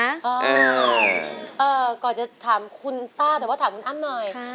เอือก่อนจะถามคุณต้าแต่ว่าถามอัมน่ะ